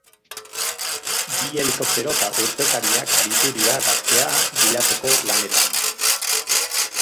Bi helikoptero eta urpekariak aritu dira gaztea bilatzeko lanetan.